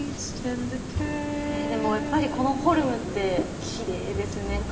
でもやっぱりこのフォルムってきれいですね。